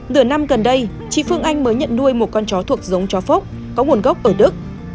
nửa năm gần đây chị phương anh mới nhận nuôi một con chó thuộc giống chóc có nguồn gốc ở đức